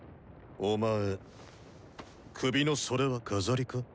お前首のそれは飾りか？